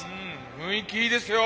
雰囲気いいですよ！